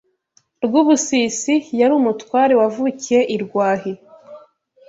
Rwubusisi yari umutware wavukiye i Rwahi